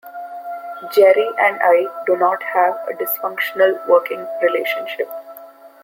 Jerry and I do not have a dysfunctional working relationship.